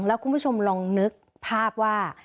แล้วคุณผู้ชมลองนึกภาพว่า